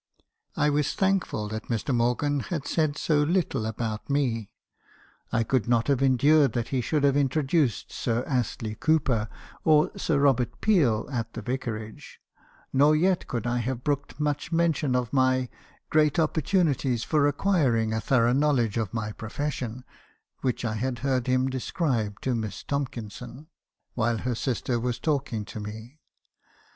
I was thankful that Mr. Morgan had said so little about me. I could not have endured that he should have introduced Sir Astley Cooper or MB. HAHKISOn's CONFESSIONS. 251 Sir Robert Peel at the vicarage ; nor yet could I have brooked much mention of my 'great opportunities for acquiring a thorough knowledge of my profession,' which I had heard him describe to Miss Tomkinson , while her sister was talking to me.